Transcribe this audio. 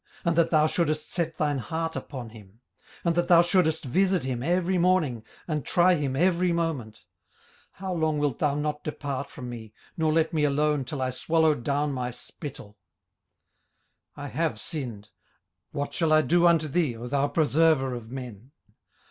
and that thou shouldest set thine heart upon him? 18:007:018 And that thou shouldest visit him every morning, and try him every moment? 18:007:019 How long wilt thou not depart from me, nor let me alone till I swallow down my spittle? 18:007:020 I have sinned; what shall I do unto thee, O thou preserver of men?